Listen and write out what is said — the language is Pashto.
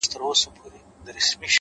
څلوېښتم کال دی’